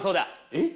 えっ？